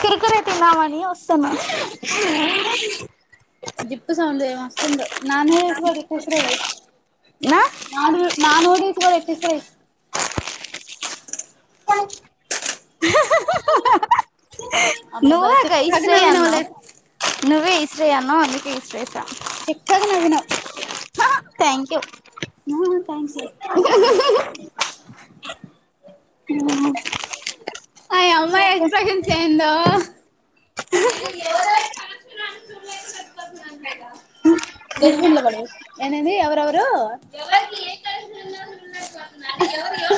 సిరుకునే తిన్నామని వస్తున్నా zip sound ఎంవస్తుందో నన్నసు పిసరేయి నడు నా నోడి కూడా ఇటు ఇసిరే అహా హా హా నువ్వేగ ఇస్రయ్యనవు నువ్వే ఇస్రేయ అనవు అందుకే ఇస్రేస చెక్కగా నవ్వినవ్వు ఉ హు హు హు ఆ యామ్మాయి ఎక్స్ప్రెషన్స్ ఏందో రోజురోజుకు [unintelligible] డస్ట్బిన్ లో పడే ఎందెంది ఎవరెవరు ఎవర్ ఎవరు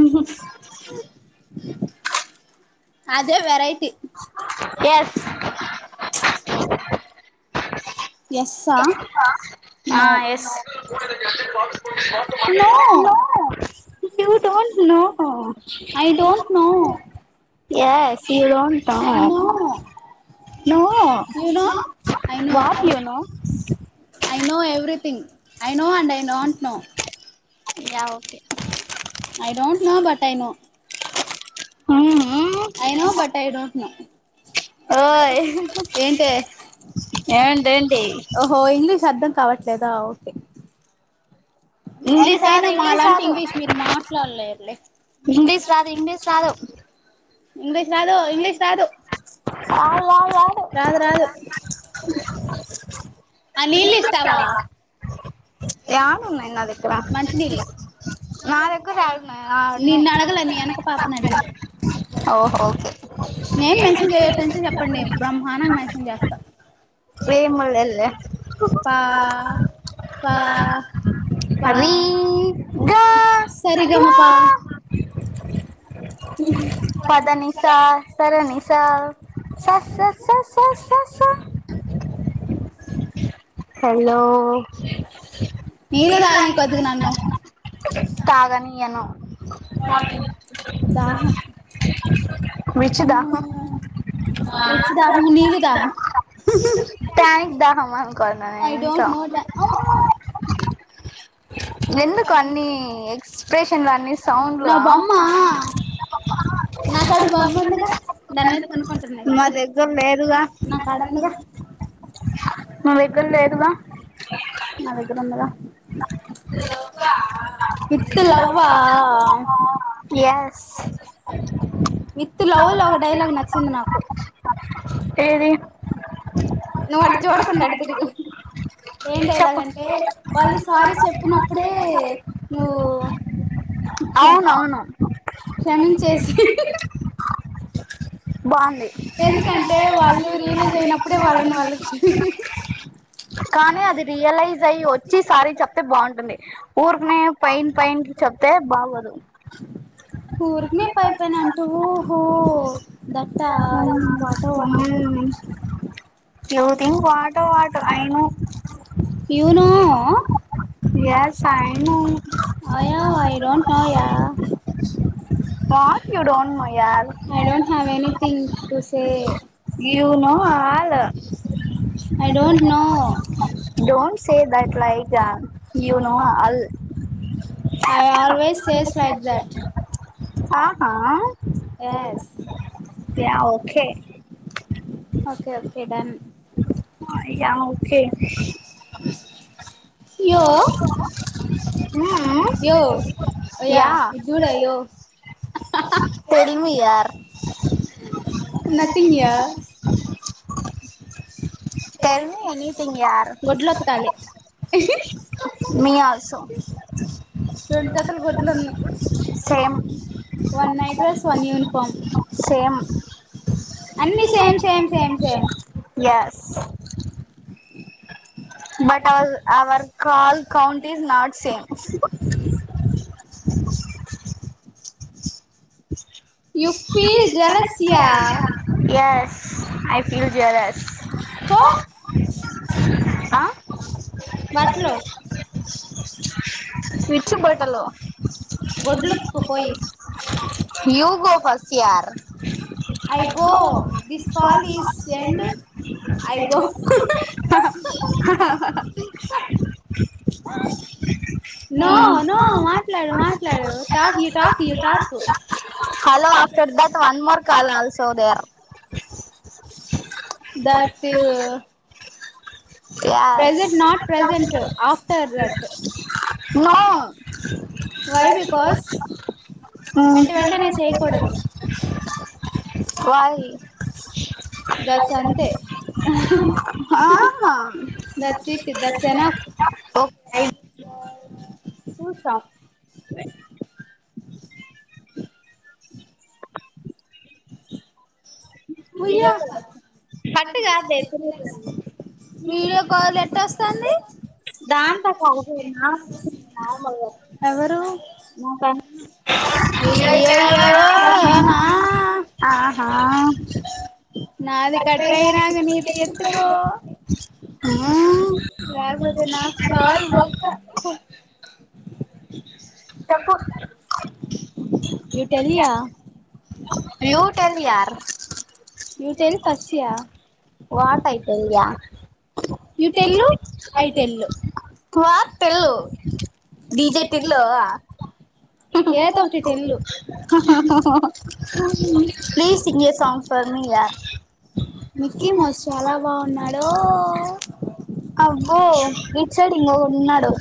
ఉహు అదే వెరైట్ yes yes ah yes no you don't I don't know yes you don't know no what you know I know everything, I know and I don't know you I don't know but I know I know but I don't know ఏంటే ఓహో English అర్ధం కావట్లేదా okay ఎంతయినా మా అలాంటి English మీరు మాట్లాడలేరులే English రాదు ఇంగ్లీష్ రాదు ఇంగ్లీష్ రాదు ఇంగ్లీష్ రాదు, రాదు రాదు ఆ నీళ్ళు ఇస్తావా ఏడ ఉన్నాయి నా దగ్గర నా దగ్గర ఏడ ఉన్నాయి ఆడ ఉన్నాయి యనక పాపని అడిగ హో ఓకే నేం మెన్షన్ చేయట చెప్పండి బ్రహ్మాణంగా మెన్షన్ చేస్తా పా పా పా సరిగమపా పదని సా సరని సా స స స స స స హలో చెట్ తాగానీయను తాగిగ దాహాం విచ్ దాహం పానిక్ దాహమా కొననే ఇంకా ఎందుకు అన్ని ఎక్స్ప్రెష్ న్ల అన్ని సౌండ్లు ఆ నాకడ బొమ్మందిగా దాని మీద పనుకుంటున్నా ఇపుడు నాకడుందిగా నా దగ్గర లేదుగా విత్ లవ్వా యాస్ విత్ లవ్ లో ఒక డైలాగ్ నచ్చింది నాకు నువ్ అటు చూడకుండా అడు తిరుగు ఏం డైలాగంటే వాళ్ళు చెప్పినప్పుడే నువ్వు క్షమించేసి ఎందుకంటే వాళ్ళు రియలైజ్ అయినప్పుడే వాళ్ళని వాళ్ళకి కానీ అది రియలైజ్ అయి వచ్చి సరి చెప్తే బాగుంటుంది ఊరుకనే పైన పైన్కి చెప్తే బాగోదు ఊర్కనే పైపైనంటూ ఓహో that I'm thing what what you thing what what I know you know oh yes I know what you don't know యార్ I don't have anything to say don't say light light గా you know all I always says like that aha yeah okay okay okay done ah yeah okay బస్ ah ah yeah tell me యార్ tell me anything యార్ me also same same అన్నీ same same same same yes but all Aur call count is not same ఇష yes I feel jealous ah పిచ్చి బట్టలు you go first యార్ I go this call not when a go హా హా no no మాట్లాడు మాట్లాడు talk you talk you talk hello after that one more call all so there that yes no why because వెంట వెంటనే చేయ్యకూడదు why that's అంతే that's it that's enough [unintelligible] హుసా ఉయ్యా video call ఏట్టోస్ స్తాంది దంతా కాదు నార్ నార్మల్గా ఉహు [unintelligible] ఆ ఆ హా నాది కట్టయినాంగ నీది ఎత్తుకో లేపోతే నాకు కాల్ బొక్క హా హ్ you tell yeah you tell యార్ వాట్ ఐ టెల్ యార్ tell you I tell what tell D J Tillu ah please sing a song for me యార్ మిక్కీ మౌస్ చాలా బాగున్నాడో అబ్బో రిచర్డ్ ఇంగ ఉన్నాడు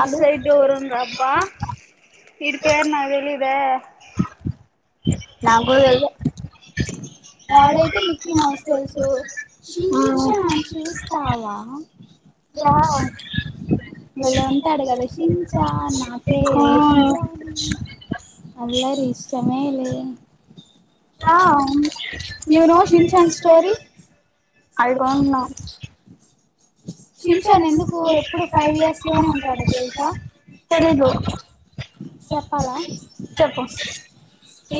ఇ ట్ సైడ్ డోర్ ఉందబ్బా ఇడ్ పేరు నాక్ తేలిదే నాక్ కూడా తెల్దు అ వాడైతే మిక్కీ మౌస్ తెలుసు షించాన్ చూస్తావా యా బలే ఉంటాడు గాద షించన్ నా పేరే షించాన్ అల్లరి ఇష్టమేలే నా ఐ డోంట్ నో షించాన్ ఎందుకు ఊకె [unintelligible] ఉంటాడు [unintelligible] తెలిదు చెప్పాలా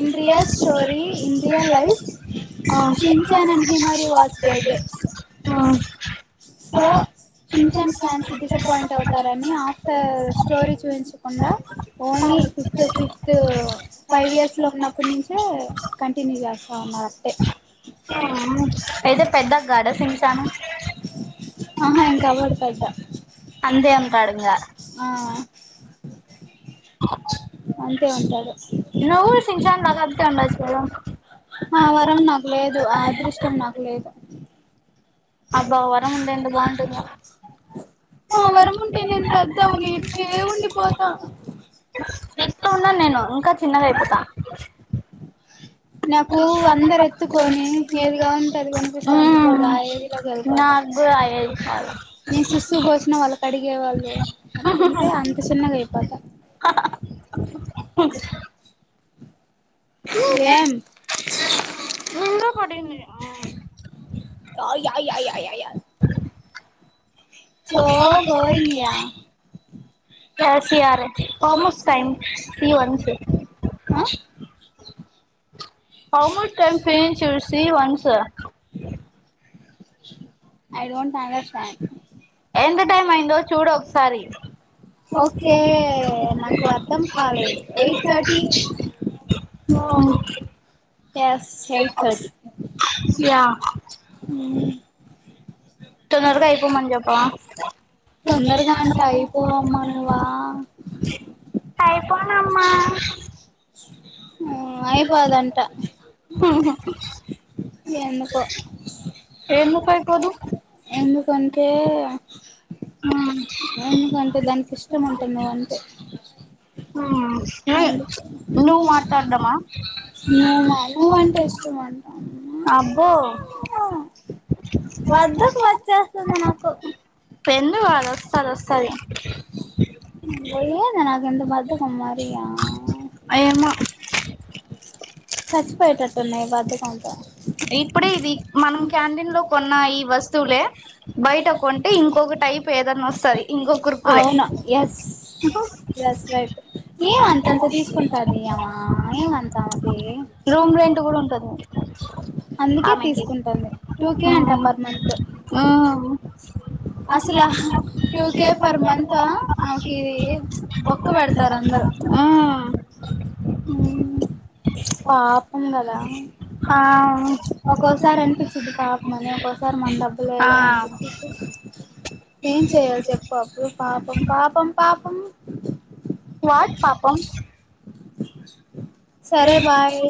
ఇంద్రియా స్టోరి ఇంద్రియా life ah so Shinchan fans disappoint అవుతారని ఆఫ్టర్ స్టోరీ చూపించకుండా only fifth fifth five years లో ఉన్నప్పుడు తీస్తే కంటిన్యూ చేస్త అవునా అట్టే ఆహా ఇంకా అవ్వదు బయట నువ్వు కూడా చిన్ చాన్ లాగా అట్లనే ఉండవచ్చు కదా ఆ వరం నాకు లేదు ఆ అదృష్టం నాకు లేదు అబ్బా వరముంటే ఎంత బాగుంటుంది ఆ వరము ఉంటే నేను పెద్దవు నే ఉండిపోతా నెక్స్ట్ ఉన్నాను నేను ఇంకా చిన్నగా అయిపోతా నాకు అందరు ఎత్తుకొని ఏది కావాలంటే అది కొనిపిస్తా ఉంటే చూడు ఆ ఏజ్ లోకి వెళ్ళిపోతా నేను సుస్సు పోసిన వాళ్ళకు అడిగేవాళ్ళు అంటుంటే అంత చిన్నగా అయిపోతా ఏం యాయాయా కే సి అర్ హౌ మచ్ టైం ఈ వన్స్ హౌ మచ్ టెంపెన్ చూసి వన్స్ ఐ డోంట్ అండర్స్టాండ్ ఎంత టైం అయిందో చూడు ఒకసారి okay eight thirty ah yes eight thirty yeah తొందరగా అయిపోమ్మని చెప్పవా తొందరగా నంటా అయిపోవమ్మా నువ్వా అయిపోనమ్మ మ్మ్ అయిపోదంట ఎందుకో ఎందుకంటే ఎందుకంటే దానికి ఇష్టం అంట నువ్ అంటే నువ్వు అంటే ఇష్టం అంటా అబ్బో వద్దకు వచ్చేస్తుంది నాకు వస్తది వస్తది పోయ్యేది నాకు ఎంత బద్ధకం మరి ఇగ ఆ ఎమ్మో చచ్చిపోయేటట్టు ఉన్నాయి బద్ధకం తో ఇప్పుడే ఇది మనం క్యాంటీన్ లో కొన్న ఈ వస్తువులే బయట కొంటే ఇంకొకటి టైప్ ఏదన్నా వస్తది ఇంకొ కురుకురే ఏం అంతంట తీసుకుంటది అమా ఏం అంటామ్ రూమ్ రెంట్ కూడా ఉంటది ఆమెకి హా హా అ ఫ [unintelligible] ఆ మ్మ్ పాపం కదా ఒక్కోసారి అనిపిస్తది పాపమని ఒక్కోసారి మన డబ్బు లేలె అనిపిస్తది ఏం చెయాలి చెప్పు అప్పుడు పాపం పాపం పాపం వాట్ పాపం సరే బాయ్